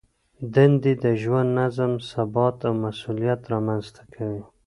دندې د ژوند نظم، ثبات او مسؤلیت رامنځته کوي.